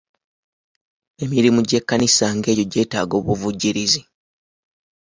Emirimu gy'ekkanisa ng'egyo gyetaaga obuvujjirizi.